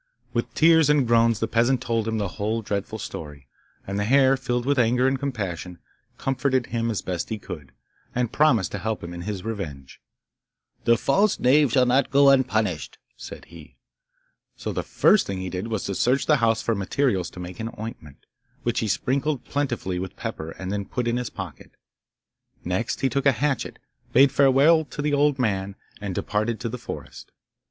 With tears and groans the peasant told him the whole dreadful story, and the hare, filled with anger and compassion, comforted him as best he could, and promised to help him in his revenge. 'The false knave shall not go unpunished,' said he. So the first thing he did was to search the house for materials to make an ointment, which he sprinkled plentifully with pepper and then put in his pocket. Next he took a hatchet, bade farewell to the old man, and departed to the forest.